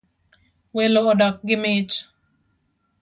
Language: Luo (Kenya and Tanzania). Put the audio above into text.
Welo odok gi mich